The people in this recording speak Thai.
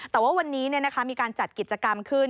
แต่ว่าวันนี้มีการจัดกิจกรรมขึ้น